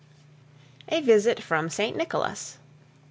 A VISIT FROM ST. NICHOLAS.